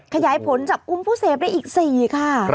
ขยายผลจับกุมผู้เสพได้อีก๔ค่ะ